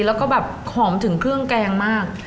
แล้วก็แบบหอมถึงเครื่องแกงมาก